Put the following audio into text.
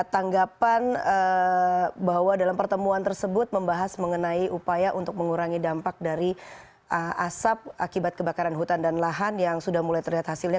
tanggapan bahwa dalam pertemuan tersebut membahas mengenai upaya untuk mengurangi dampak dari asap akibat kebakaran hutan dan lahan yang sudah mulai terlihat hasilnya